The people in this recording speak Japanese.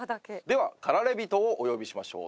では駆られ人をお呼びしましょう。